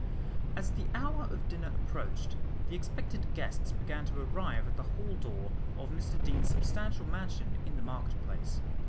As the hour of dinner approached, the expected guests began to arrive at the hall door of Mr Deane's substantial mansion in the market place.